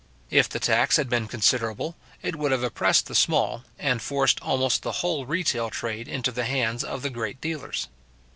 If the tax had been considerable, it would have oppressed the small, and forced almost the whole retail trade into the hands of the great dealers.